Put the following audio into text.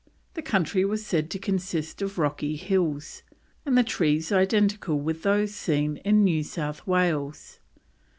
The country was said to consist of rocky hills, and the trees identical with those seen in New South Wales.